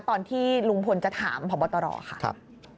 ตอนที่ลุงพลจะถามพบตรค่ะ